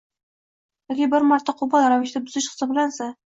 yoki bir marta qo‘pol ravishda buzish hisoblansa